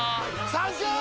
サンキュー！！